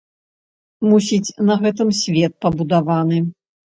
Мусіць, на гэтым свет пабудаваны.